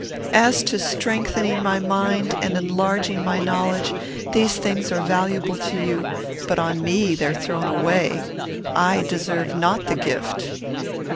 As to strengthening my mind and enlarging my knowledge, these things are valuable to you, but on me they are thrown away. I deserve not the gift."